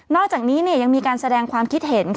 อกจากนี้ยังมีการแสดงความคิดเห็น